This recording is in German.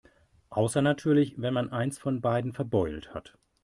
Außer natürlich, wenn man eins von beiden verbeult hat.